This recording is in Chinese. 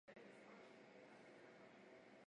黑皮柳为杨柳科柳属下的一个种。